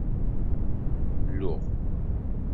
Luɣ.